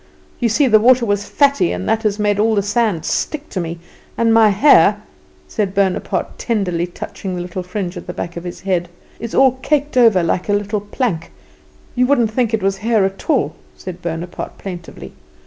You see, the water was fatty, and that has made all the sand stick to me; and my hair," said Bonaparte, tenderly touching the little fringe at the back of his head, "is all caked over like a little plank; you wouldn't think it was hair at all," said Bonaparte, plaintively.